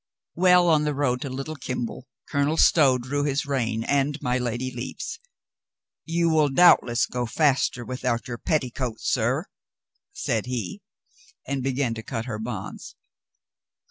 Well on the road to Little Kimble, Colonel Stow drew his rein and my Lady Lepe's. "You will doubt less go faster without your petticoats, sir," said he, and began to cut her bonds.